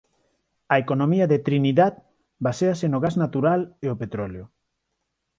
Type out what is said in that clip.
A economía de Trinidad baséase no gas natural e o petróleo.